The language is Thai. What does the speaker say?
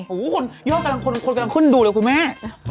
โอ้โหคนกำลังขึ้นดูเลยคุณแม่